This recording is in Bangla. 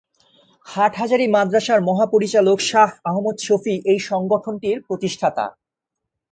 হাটহাজারী মাদ্রাসার মহাপরিচালক শাহ আহমদ শফী এই সংগঠনটির প্রতিষ্ঠাতা।